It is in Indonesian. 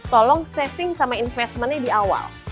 tolong saving sama investmentnya di awal